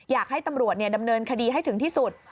อยากให้ตำรวจดำเนินคดีให้ถึงที่สุด